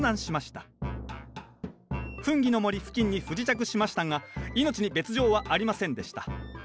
フンギの森付近に不時着しましたが命に別状はありませんでした。